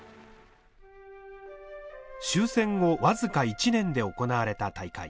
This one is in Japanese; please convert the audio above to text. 終戦後僅か１年で行われた大会。